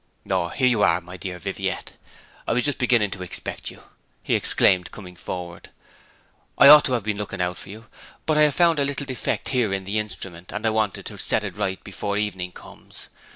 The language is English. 'O here you are, my dear Viviette! I was just beginning to expect you,' he exclaimed, coming forward. 'I ought to have been looking out for you, but I have found a little defect here in the instrument, and I wanted to set it right before evening comes on.